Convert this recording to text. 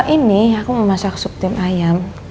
ini aku mau masak supten ayam